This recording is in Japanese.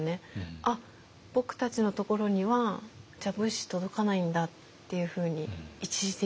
あっ僕たちのところにはじゃあ物資届かないんだっていうふうに一時的に。